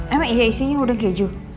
emang iya isinya udah keju